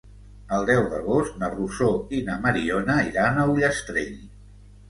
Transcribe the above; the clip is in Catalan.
El deu d'agost na Rosó i na Mariona iran a Ullastrell.